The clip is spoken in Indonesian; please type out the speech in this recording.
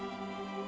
setiap senulun buat